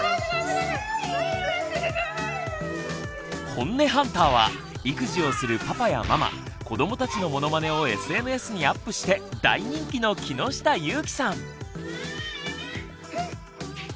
ホンネハンターは育児をするパパやママ子どもたちのモノマネをＳＮＳにアップして大人気の木下ゆーきさん。